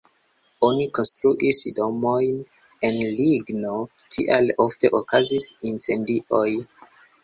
Oni konstruis domojn el ligno, tial ofte okazis incendioj.